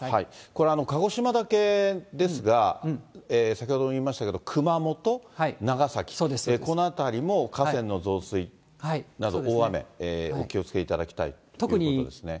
これ、鹿児島だけですが、先ほども言いましたけれども、熊本、長崎、この辺りも河川の増水など、大雨、お気をつけいただきたいということですね。